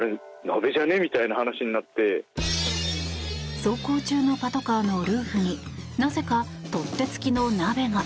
走行中のパトカーのルーフになぜか、取っ手付きの鍋が。